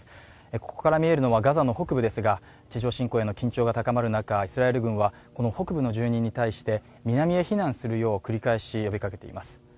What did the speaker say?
ここから見えるのはガザの北部ですが地上侵攻への緊張が高まる中、イスラエル軍は、この北部の住人に対して南へ避難するよう繰り返し呼びかけています。